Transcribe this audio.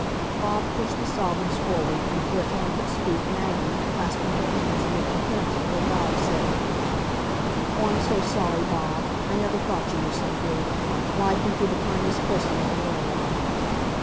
Bob pushed the sovereigns forward, but before Tom could speak Maggie, clasping her hands, and looking penitently at Bob, said: "Oh, I'm so sorry, Bob; I never thought you were so good. Why, I think you're the kindest person in the world!"